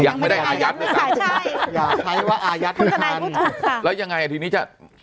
ยังไม่ได้อายัดนะครับอย่าใช้ว่าอายัดไม่ทันค่ะแล้วยังไงอ่ะทีนี้จะ